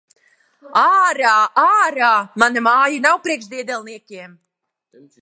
Ārā! Ārā! Mana māja nav priekš diedelniekiem!